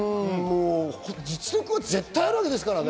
実力は絶対あるわけですからね。